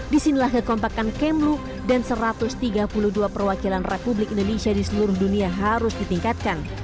disinilah kekompakan kemlu dan satu ratus tiga puluh dua perwakilan republik indonesia di seluruh dunia harus ditingkatkan